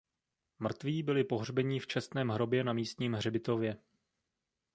Mrtví byli pohřbení v čestném hrobě na místním hřbitově.